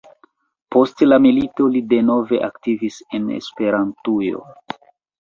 Post la milito li denove aktivis en Esperantujo.